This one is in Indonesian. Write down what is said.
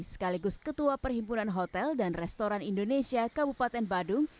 sekaligus ketua perhimpunan hotel dan restoran indonesia kabupaten badung